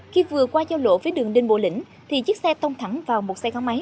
khi vừa qua giao lộ với đường đinh bộ lĩnh thì chiếc xe tông thẳng vào một xe gắn máy